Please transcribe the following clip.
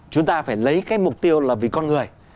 chúng ta phải lấy cái mục tiêu là vì con người